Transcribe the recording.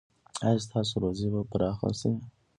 ایا ستاسو روزي به پراخه شي؟